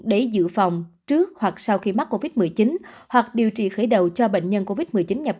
để dự phòng trước hoặc sau khi mắc covid một mươi chín hoặc điều trị khởi đầu cho bệnh nhân covid một mươi chín nhập